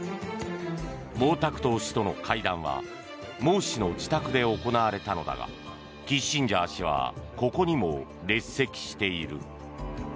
毛沢東氏との会談は毛氏の自宅で行われたのだがキッシンジャー氏はここにも列席している。